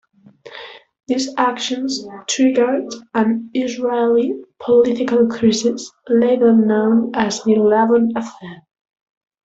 These actions triggered an Israeli political crisis later known as the Lavon Affair.